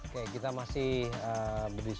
merci dan senang berehat